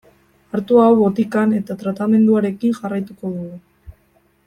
Hartu hau botikan eta tratamenduarekin jarraituko dugu.